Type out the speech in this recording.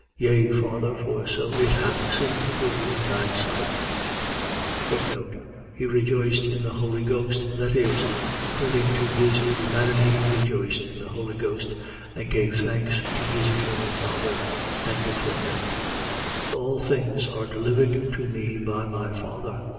Yea, Father, for so it hath seemed good in thy sight. He rejoiced in the Holy Ghost. . .That is, according to his humanity he rejoiced in the Holy Ghost, and gave thanks to his eternal Father. 10:22. All things are delivered to me by my Father.